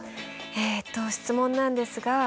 えっと質問なんですが。